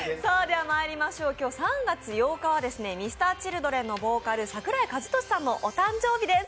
今日３月８日はＭｒ．Ｃｈｉｌｄｒｅｎの桜井和寿さんのお誕生日です。